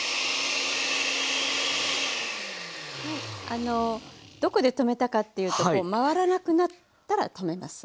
あのどこで止めたかっていうと回らなくなったら止めます。